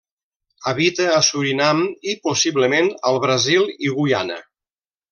Habita a Surinam i, possiblement, al Brasil i Guyana.